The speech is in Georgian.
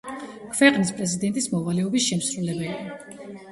ქვეყნის პრეზიდენტის მოვალეობის შემსრულებელი.